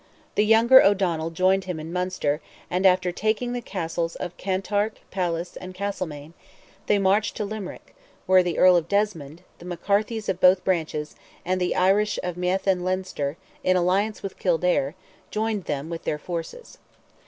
The younger O'Donnell joined him in Munster, and after taking the Castles of Kanturk, Pallis, and Castelmaine, they marched to Limerick, where the Earl of Desmond, the McCarthys of both branches, and "the Irish of Meath and Leinster," in alliance with Kildare, joined them with their forces.